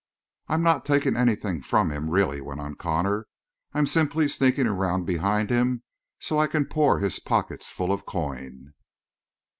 "I'm not taking anything from him, really," went on Connor. "I'm simply sneaking around behind him so's I can pour his pockets full of the coin.